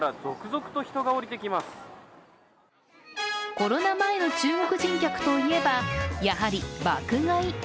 コロナ前の中国人客と言えば、やはり爆買い。